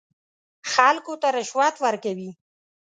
خلکو ته رشوت ورکوي.